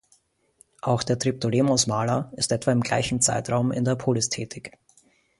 Auch der Triptolemos-Maler ist etwa im gleichen Zeitraum in der Polis tätig.